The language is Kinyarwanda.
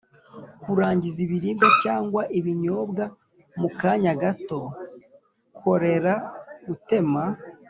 kurangiza ibiribwa cyangwa ibinyobwa mu kanya gato, korera, gutema